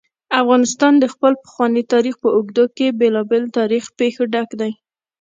افغانستان د خپل پخواني تاریخ په اوږدو کې له بېلابېلو تاریخي پېښو ډک دی.